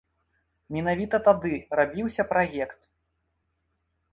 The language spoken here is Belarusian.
Менавіта тады рабіўся праект.